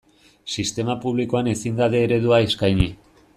Sistema publikoan ezin da D eredua eskaini.